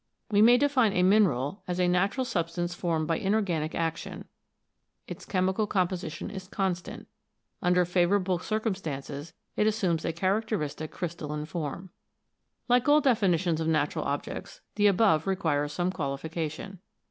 We may define a mineral as a natural substance formed by inorganic action ; its chemical composition is constant ; under favourable circum stances, it assumes a characteristic crystalline form. Like all definitions of natural objects, the above requires some qualification.